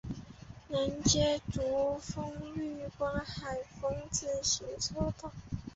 南接竹风绿光海风自行车道。